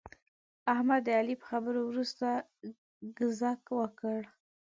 احمد د علي په خبرو ورسته ګذک وکړ.